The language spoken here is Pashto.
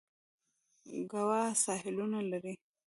ګوا ساحلونه لري.